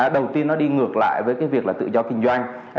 đầu tiên nó đi ngược lại với cái việc là tự do kinh doanh